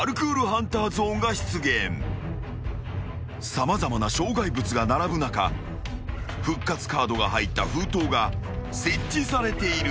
［様々な障害物が並ぶ中復活カードが入った封筒が設置されている］